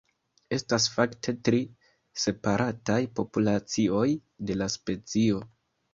Estas fakte tri separataj populacioj de la specio.